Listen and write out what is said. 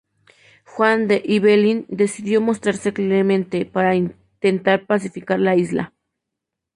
Juan de Ibelín decidió mostrarse clemente para intentar pacificar la isla.